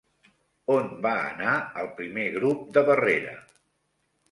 On va anar el Primer Grup de Barrera?